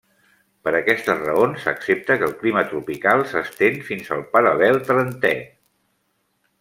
Per aquestes raons, s'accepta que el clima tropical s'estén fins al paral·lel trentè.